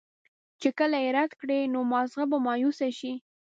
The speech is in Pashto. چې کله ئې رد کړي نو مازغۀ به مايوسه شي